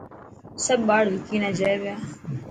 سڀ ٻاڙ وڪي نا جوئي پيا.